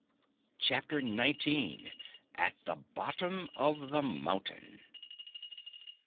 CHAPTER 19 At the Bottom of the Mountain!